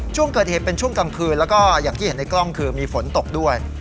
ช่วงเกิดเหตุเป็นช่วงกลางคืนแล้วก็อย่างที่เห็นในกล้องคือมีฝนตกด้วย